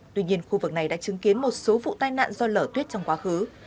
tuy nhiên khu vực này đã chứng kiến một số vụ tai nạn do lở tuyết trong quá khứ